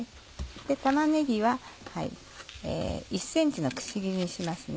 玉ねぎは１ｃｍのくし切りにしますね。